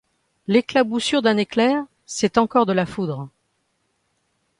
L’éclaboussure d’un éclair, c’est encore de la foudre.